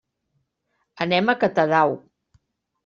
Anem a Catadau.